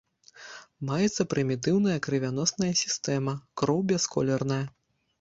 Маецца прымітыўная крывяносная сістэма, кроў бясколерная.